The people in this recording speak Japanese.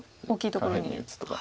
大きいところに。